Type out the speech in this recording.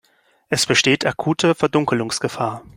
Es besteht akute Verdunkelungsgefahr.